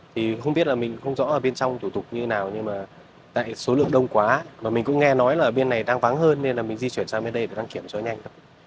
thì không biết là mình không rõ ở bên trong tủ tục như thế nào nhưng mà tại số lượng đông quá mà mình cũng nghe nói là bên này đang vắng hơn nên là mình di chuyển sang bên đây để đăng kiểm cho nhanh cả